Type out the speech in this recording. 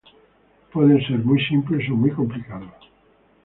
Pueden ser muy simples o muy complicados.